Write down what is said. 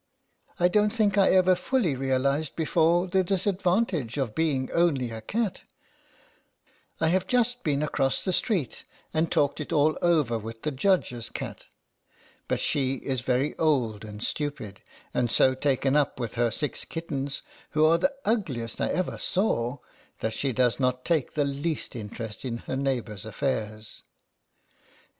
I don't think I ever fully realized before the disadvan tage of being only a cat I have just been across the street, and talked it all over with the Judge's cat, but she is very old and stupid, and so taken up with her six kittens (who are the ugliest I ever saw), LETTERS FROM A CAT. 43 that she does not take the least in terest in her neighbors' affairs.